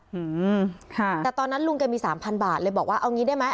อืมค่ะแต่ตอนนั้นลุงแกมีสามพันบาทเลยบอกว่าเอางี้ได้ไหม